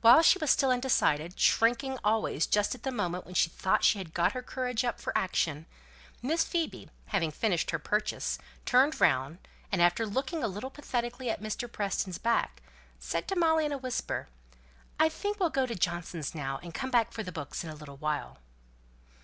While she was still undecided, shrinking always just at the moment when she thought she had got her courage up for action, Miss Phoebe, having finished her purchase, turned round, and after looking a little pathetically at Mr. Preston's back, said to Molly in a whisper "I think we'll go to Johnson's now, and come back for the books in a little while."